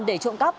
để trộm cắp